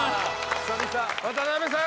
久々渡辺さん